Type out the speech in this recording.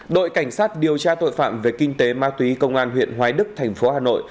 đội cảnh sát điều tra tội phạm về kinh tế ma túy công an huyện hoái đức thành phố hà nội